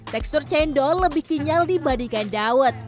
tekstur cendol lebih kenyal dibandingkan dawet